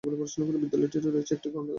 বিদ্যালয়টিতে রয়েছে একটি গ্রন্থাগার।